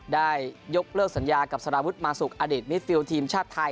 ได้ยกเลิกสัญญากับสารวุฒิมาสุกอดีตมิดฟิลทีมชาติไทย